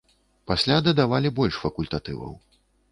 Пасля дадавалі больш факультатываў.